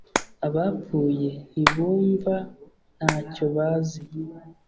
abapfuye ntibumva nta cyo bazi